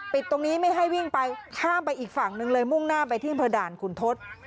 ตรงนี้ไม่ให้วิ่งไปข้ามไปอีกฝั่งนึงเลยมุ่งหน้าไปที่อำเภอด่านขุนทศ